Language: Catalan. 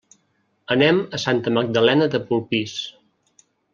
Anem a Santa Magdalena de Polpís.